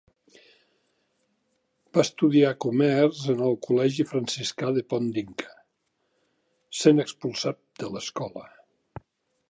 Va estudiar comerç en el col·legi franciscà de Pont d'Inca, sent expulsat de l'escola.